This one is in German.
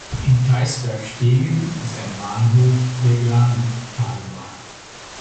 In Theisbergstegen ist ein Bahnhof der Glantalbahn.